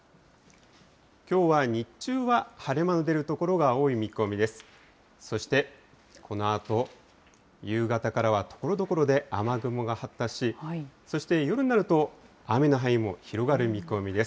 きょうは日中は晴れ間の出る所が多い見込みです。